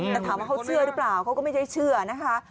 แต่ถามว่าเขาเชื่อหรือเปล่าเขาก็ไม่ได้เชื่อนะคะ